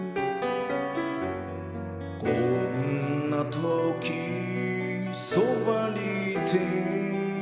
「こんな時そばにいて」